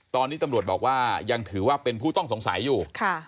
ตอนนี้ตำรวจบอกว่ายังถือว่าเป็นผู้ต้องสงสัยอยู่